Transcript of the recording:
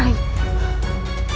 ada yang ingin menyingkirkan putraku